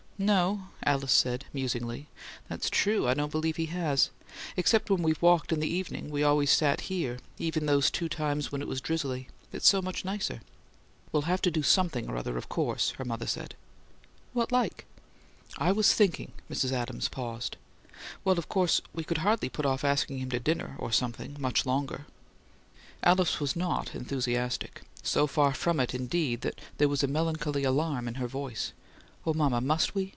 "No," Alice said, musingly; "that's true: I don't believe he has. Except when we've walked in the evening we've always sat out here, even those two times when it was drizzly. It's so much nicer." "We'll have to do SOMETHING or other, of course," her mother said. "What like?" "I was thinking " Mrs. Adams paused. "Well, of course we could hardly put off asking him to dinner, or something, much longer." Alice was not enthusiastic; so far from it, indeed, that there was a melancholy alarm in her voice. "Oh, mama, must we?